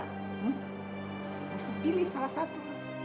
lu pilih salah satu